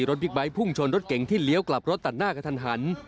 บิ๊กไบท์พุ่งชนรถเก่งที่เลี้ยวกลับรถตัดหน้ากระทันหัน